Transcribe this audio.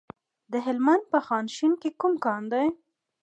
د هلمند په خانشین کې کوم کان دی؟